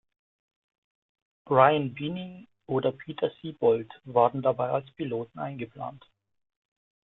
Brian Binnie oder Peter Siebold waren dabei als Piloten eingeplant.